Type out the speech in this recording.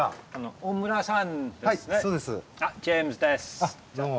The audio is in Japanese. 大村さん